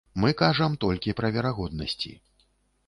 Мы кажам толькі пра верагоднасці.